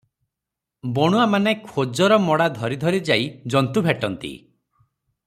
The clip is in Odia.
ବଣୁଆ ମାନେ ଖୋଜର ମଡ଼ା ଧରିଧରି ଯାଇ ଜନ୍ତୁ ଭେଟନ୍ତି ।